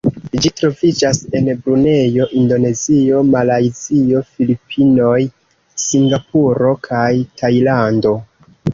Ĝi troviĝas en Brunejo, Indonezio, Malajzio, Filipinoj, Singapuro kaj Tajlando.